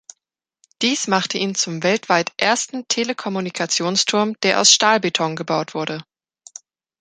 Dies machte ihn zum weltweit ersten Telekommunikationsturm, der aus Stahlbeton gebaut wurde.